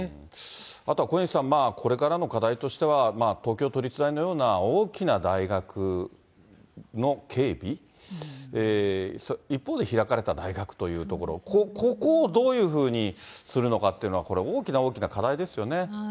あとは小西さん、これからの課題としては、東京都立大のような大きな大学の警備、一方で開かれた大学というところ、ここをどういうふうにするのかっていうのは、これ、大きな大きな課題ですよね。